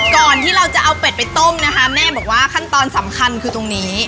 ก่อนที่เราจะเอาเป็ดไปต้มนะคะแม่บอกว่าขั้นตอนสำคัญคือตรงนี้